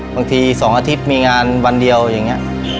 บางที๒อาทิตย์มีงานวันเดียวอย่างนี้